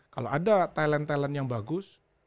kalau ada talent talent yang bagus